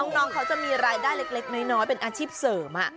น้องเขาจะมีรายได้เล็กน้อยเป็นอาชีพเสริม